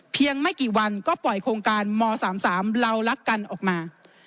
ไม่กี่วันก็ปล่อยโครงการม๓๓เรารักกันออกมา